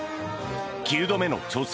９度目の挑戦